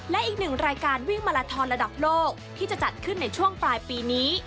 และอีกหนึ่งรายการวิ่งมาลาทอนระดับโลกที่จะจัดขึ้นในช่วงปลายปีนี้